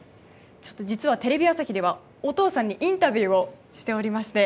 ちょっと実はテレビ朝日ではお父さんにインタビューをしておりまして。